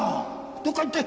どっか行って。